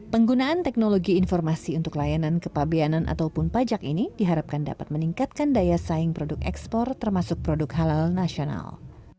penggunaan teknologi informasi untuk layanan kepabianan ataupun pajak ini diharapkan dapat meningkatkan daya saing produk ekspor termasuk produk halal nasional